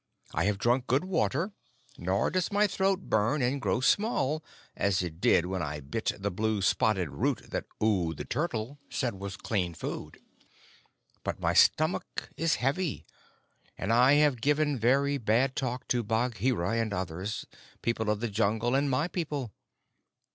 "I have drunk good water. Nor does my throat burn and grow small, as it did when I bit the blue spotted root that Oo the Turtle said was clean food. But my stomach is heavy, and I have given very bad talk to Bagheera and others, people of the Jungle and my people.